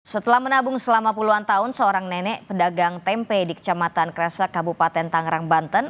setelah menabung selama puluhan tahun seorang nenek pedagang tempe di kecamatan kresek kabupaten tangerang banten